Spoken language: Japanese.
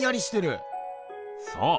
そう。